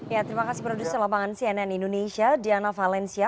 ya terima kasih produser lapangan cnn indonesia diana valencia